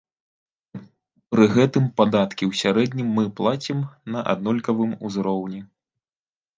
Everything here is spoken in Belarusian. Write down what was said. Пры гэтым падаткі ў сярэднім мы плацім на аднолькавым ўзроўні.